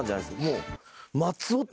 もう。